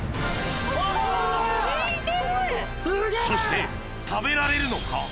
そして食べられるのか？